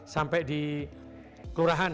sampai di kelurahan